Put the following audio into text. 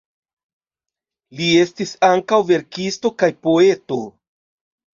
Li estis ankaŭ verkisto kaj poeto.